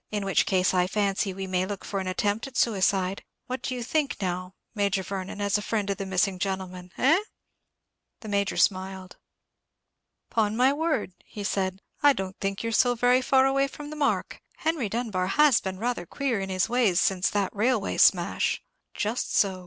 In which case I fancy we may look for an attempt at suicide. What do you think, now, Major Vernon, as a friend of the missing gentleman, eh?" The Major smiled. "Upon my word," he said, "I don't think you're so very far away from the mark. Henry Dunbar has been rather queer in his ways since that railway smash." "Just so.